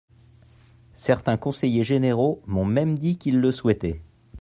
Certains conseillers généraux m’ont même dit qu’ils le souhaitaient.